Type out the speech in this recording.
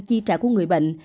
chi trả của người bệnh